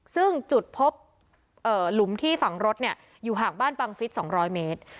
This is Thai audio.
ซึ่งจุดพบหลุมที่ฝังรถอยู่ห่างบ้านบังฟิศ๒๐๐เมตร